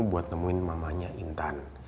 buat nemuin mamanya intan